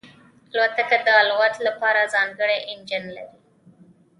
الوتکه د الوت لپاره ځانګړی انجن لري.